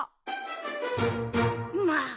まあ！